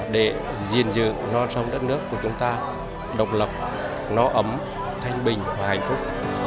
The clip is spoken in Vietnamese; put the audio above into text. để gìn giữ non sông đất nước của chúng ta độc lập nó ấm thanh bình và hạnh phúc